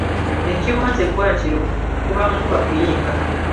Ekibunza eggwaatiro kuba nkuba kuyinga.